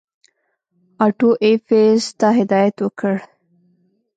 آټو ایفز ته هدایت وکړ.